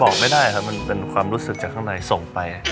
บอกไม่ได้ครับมันเป็นความรู้สึกจากข้างในส่งไป